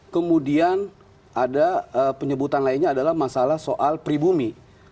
kemudian ada penyebutan lainnya adalah masalah soal pribumi